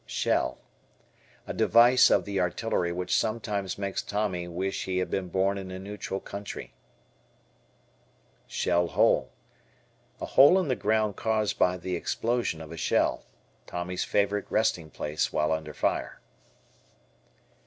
Shell. A device of the artillery which sometimes makes Tommy wish he had been born in a neutral country. Shell Hole. A hole in the ground caused by the explosion of a shell. Tommy's favorite resting place while under fire.